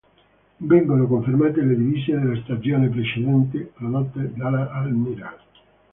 Vengono confermate le divise della stagione precedente, prodotte dalla Admiral.